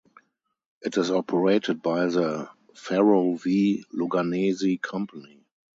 It is operated by the Ferrovie Luganesi company.